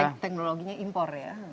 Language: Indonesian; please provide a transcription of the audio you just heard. karena teknologinya impor ya